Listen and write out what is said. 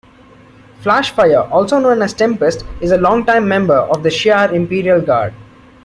Flashfire, also known as Tempest, is a long-time member of the Shi'ar Imperial Guard.